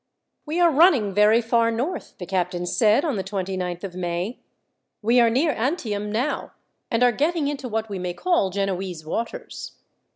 "We are running very far north," the captain said on the 29th of May. "We are near Antium now, and are getting into what we may call Genoese waters.